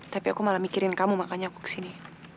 tapi aku malah mikirin kamu makanya aku kesini